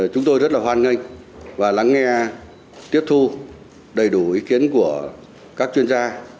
chúng tôi rất là hoan nghênh và lắng nghe tiếp thu đầy đủ ý kiến của các chuyên gia